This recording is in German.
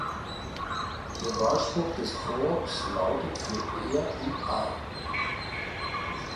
Der Wahlspruch des Corps lautet "Für Ehr’ und Ar!